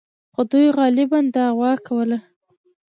خو دوی غالباً دعوا کوله.